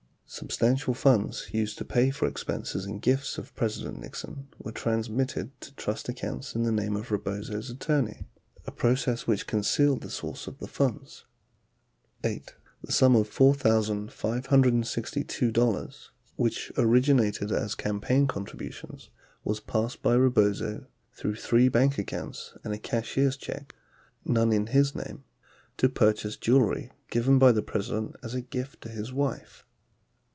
Substantial funds used to pay for expenses and gifts of Presi dent Nixon were transmitted to trust accounts in the name of Rebozo's attorney, a process which concealed the source of the funds. 8. The sum of $4,562, which originated as campaign contribu tions, was passed by Mr. Rebozo through three bank accounts and a cashier's check, none in his name, to purchase jewelry given by the President as a gift to his wife.